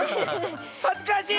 はずかしい！